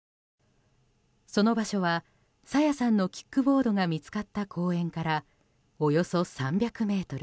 その場所は朝芽さんのキックボードが見つかった公園からおよそ３００ｍ。